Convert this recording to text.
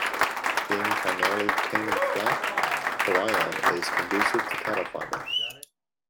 Being primarily plain and flat, Cawayan is conducive to cattle farming.